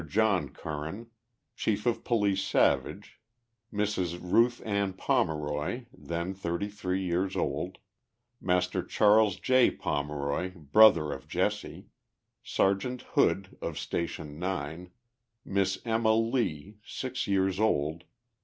John Curran. Chief of Police Savage. t Mrs. Ruth Ann Pomeroy, then 33 years old. Master Charles J. Pomeroy, brother of Jesse. Sergeant Hood of Station 9. Miss Emma Lee, G years old.